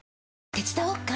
手伝おっか？